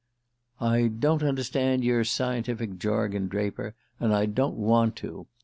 "I don't understand your scientific jargon, Draper; and I don't want to.